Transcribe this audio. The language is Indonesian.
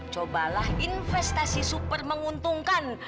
cobalah investasi super menguntungkan